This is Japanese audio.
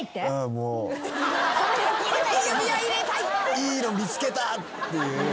いいの見つけたっていう。